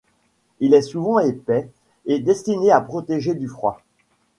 Il est souvent épais et destiné à protéger du froid.